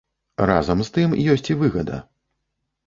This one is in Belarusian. Разам з тым ёсць і выгада.